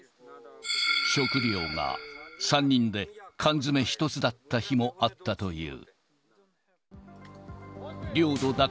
食料が３人で缶詰１つだった日もあったという。